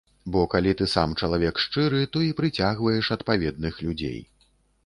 Бо калі ты сам чалавек шчыры, то і прыцягваеш адпаведных людзей.